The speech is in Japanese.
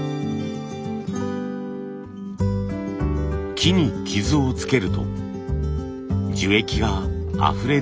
木に傷をつけると樹液があふれ出てきます。